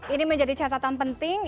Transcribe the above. ini menjadi catatan penting